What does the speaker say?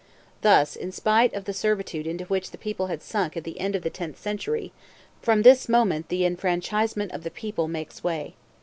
Thus, in spite of the servitude into which the people had sunk at the end of the tenth century, from this moment the enfranchisement of the people makes way.